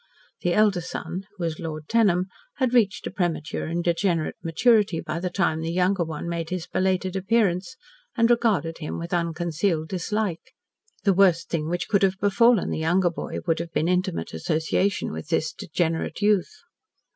The elder son, who was Lord Tenham, had reached a premature and degenerate maturity by the time the younger one made his belated appearance, and regarded him with unconcealed dislike. The worst thing which could have befallen the younger boy would have been intimate association with this degenerate youth.